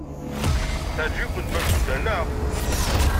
Teɛjeb-iken Makuda, naɣ?